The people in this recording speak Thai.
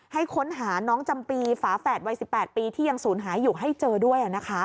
ให้ค้นหาน้องจำปีฝาแฝดวัย๑๘ปีที่ยังศูนย์หายอยู่ให้เจอด้วย